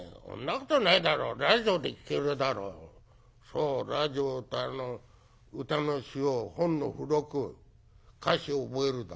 「そうラジオとあの歌の詞を本の付録歌詞を覚えるだ。